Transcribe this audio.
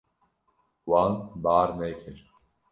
Wan bar nekir.